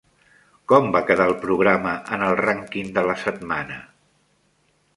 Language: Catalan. Com va quedar el programa en el rànquing de la setmana?